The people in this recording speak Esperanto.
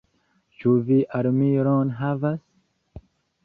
Ĉu vi armilon havas?